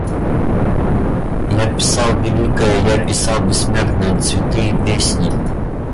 Я писал великое, я писал бессмертное — цветы и песни.